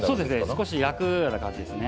少し焼くような感じですね。